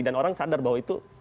dan orang sadar bahwa itu